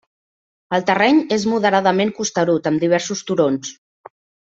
El terreny és moderadament costerut amb diversos turons.